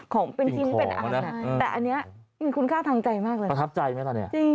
ของเป็นชิ้นเป็นอาหารแต่อันนี้มีคุณค่าทางใจมากเลย